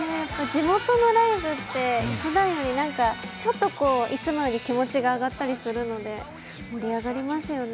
地元のライブってふだんよりちょっといつもより気持ちが上がったりするので盛り上がりますよね。